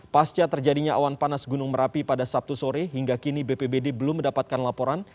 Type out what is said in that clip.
pasca terjadinya awan panas gunung merapi pada sabtu sore hingga kini bpbd belum mendapatkan laporan